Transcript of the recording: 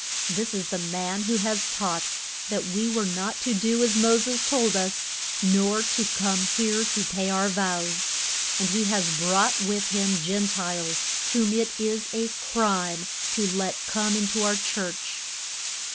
This is the man who has taught that we were not to do as Mo ses told us, nor to come here to pay our vows. And he has brought with him Gen tiles whom it is a crime to let come in to our church.